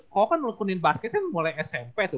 kau kan melukunin basket kan mulai smp tuh